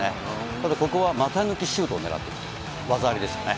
ただここは股抜きシュートを狙っていくと、技ありですね。